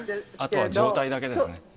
あとは状態だけですね。